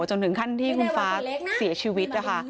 จนถึงขั้นที่คุณฟ้าเสียชีวิตนะคะ